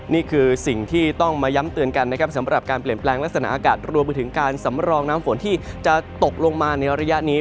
นี่คือสิ่งที่ต้องมาย้ำเตือนกันนะครับสำหรับการเปลี่ยนแปลงลักษณะอากาศรวมไปถึงการสำรองน้ำฝนที่จะตกลงมาในระยะนี้